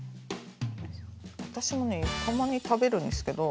私もねたまに食べるんですけど。